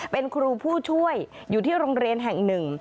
เป็นครูผู้ช่วยอยู่ที่โรงเรียนแห่งหนึ่ง